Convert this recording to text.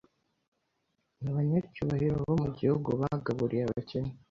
Abanyacyubahiro bo mu gihugu bagaburiye abakene